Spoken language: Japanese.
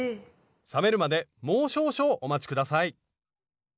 冷めるまでもう少々お待ち下さい。